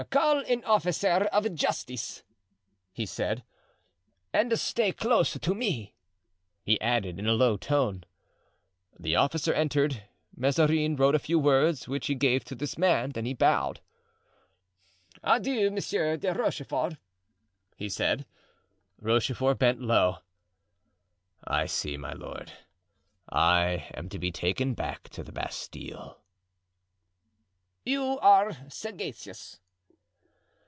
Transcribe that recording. "Call an officer of justice," he said; "and stay close to me," he added, in a low tone. The officer entered. Mazarin wrote a few words, which he gave to this man; then he bowed. "Adieu, Monsieur de Rochefort," he said. Rochefort bent low. "I see, my lord, I am to be taken back to the Bastile." "You are sagacious."